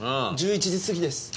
１１時過ぎです。